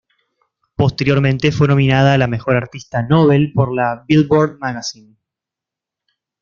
Posteriormente fue nominada a la Mejor Artista Novel por la Billboard Magazine.